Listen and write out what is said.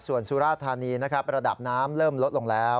ส่วนสุราธานีนะครับระดับน้ำเริ่มลดลงแล้ว